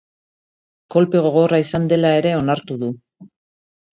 Kolpe gogorra izan dela ere onartu du.